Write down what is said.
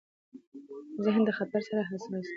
ذهن د خطر سره حساس دی.